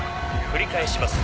「繰り返します」